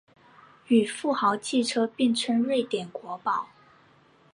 与富豪汽车并称瑞典国宝。